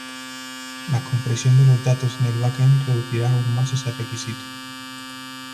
La compresión de los datos en el back-end reducirá aún más ese requisito.